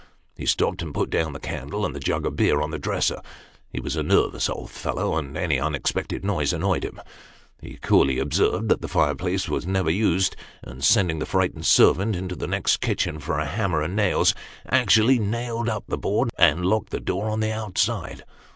He stopped and put down the candle and the jug of beer on the dresser ; he was a nervous old fellow, and any unexpected noise annoyed him. He coolly observed that the fire place was never used, and sending the frightened servant into the next kitchen for a hammer and nails, actually nailed up the board, and locked the door on the outside.